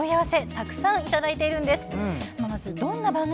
たくさんいただいているんです。